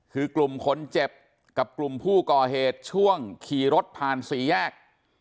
คือกลุ่มคนเจ็บกับกลุ่มผู้ก่อเหตุช่วงขี่รถผ่านสี่แยก